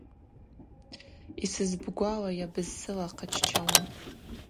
Йсызбгвалайа бызсылахъыччауа?